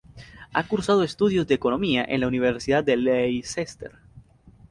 Ha cursado estudios de Economía en la Universidad de Leicester.